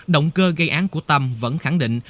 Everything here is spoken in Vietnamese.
động cơ gây án của tầm vẫn khẳng định